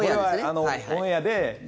オンエアですね。